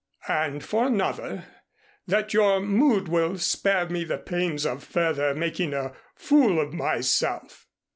"And for another that your mood will spare me the pains of further making a fool of myself."